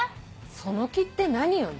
その気って何よね？